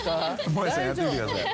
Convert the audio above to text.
萌さんやってみてください。